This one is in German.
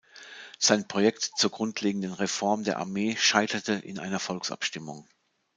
Sein Projekt zur grundlegenden Reform der Armee scheiterte in einer Volksabstimmung.